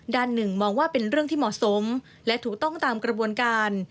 ด้านหนึ่งมองว่าเป็นเรื่องที่เหมาะสมและถูกต้องตามกระบวนการ